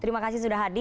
terima kasih sudha hardy